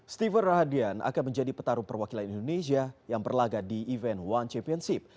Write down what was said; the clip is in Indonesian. steven rahadian akan menjadi petarung perwakilan indonesia yang berlaga di event one championship